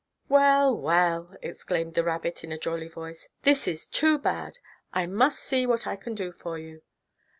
"Well, well!" exclaimed the rabbit in a jolly voice, "this is too bad. I must see what I can do for you.